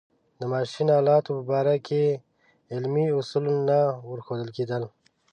د ماشین آلاتو په باره کې علمي اصول نه ورښودل کېدل.